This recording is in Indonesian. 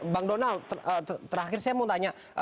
bang donald terakhir saya mau tanya